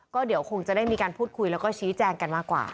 ก็เดี๋ยวคงจะได้มีการพูดคุยแล้วก็ชี้แจงกันมากกว่า